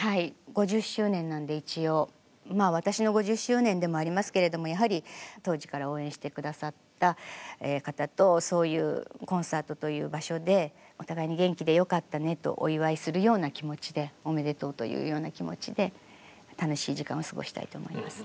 ５０周年なので一応私の５０周年でもありますけれどもやはり当時から応援してくださった方とそういうコンサートという場所でお互いに元気でよかったねとお祝いするような気持ちでおめでとうというような気持ちで楽しい時間を過ごしたいと思います。